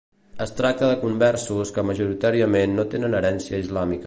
Es tracta de conversos que majoritàriament no tenen herència islàmica.